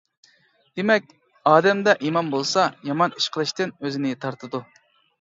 دېمەك ئادەمدە ئىمان بولسا يامان ئىش قىلىشتىن ئۆزىنى تارتىدۇ.